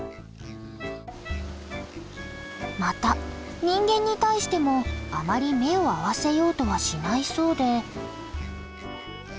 また人間に対してもあまり目を合わせようとはしないそうで。